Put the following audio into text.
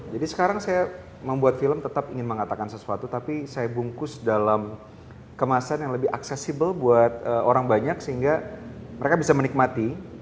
jadi sekarang saya membuat film tetap ingin mengatakan sesuatu tapi saya bungkus dalam kemasan yang lebih aksesibel buat orang banyak sehingga mereka bisa menikmati